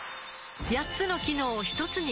８つの機能をひとつに